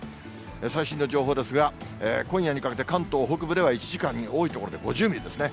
最新の情報ですが、今夜にかけて関東北部では１時間に多い所で５０ミリですね。